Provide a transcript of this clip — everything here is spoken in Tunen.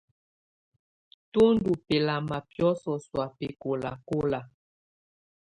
Tù ndù bɛlama biɔ̀sɔ sɔ̀á bɛkɔlakɔla.